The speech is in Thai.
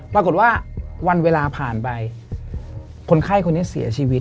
วันเวลาผ่านไปคนไข้คนนี้เสียชีวิต